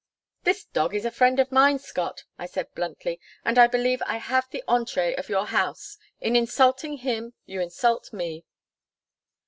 "This dog is a friend of mine, Scott," I said bluntly, "and I believe I have the entrée of your house. In insulting him, you insult me."